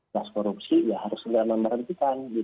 pas korupsi ya harus segera memerhentikan